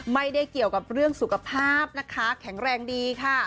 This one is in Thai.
ไม่ได้เกี่ยวกับเรื่องสุขภาพนะคะแข็งแรงดีค่ะ